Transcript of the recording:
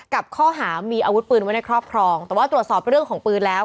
กับข้อหามีอาวุธปืนไว้ในครอบครองแต่ว่าตรวจสอบเรื่องของปืนแล้ว